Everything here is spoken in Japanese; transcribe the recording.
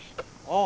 あ